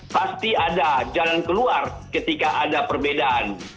pasti ada jalan keluar ketika ada perbedaan